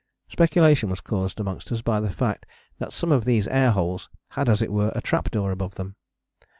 Speculation was caused amongst us by the fact that some of these air holes had as it were a trap door above them.